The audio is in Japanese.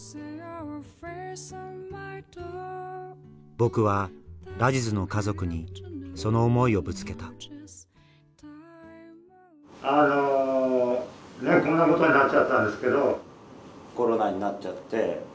僕はラジズの家族にその思いをぶつけたあのこんなことになっちゃったんですけどコロナになっちゃって。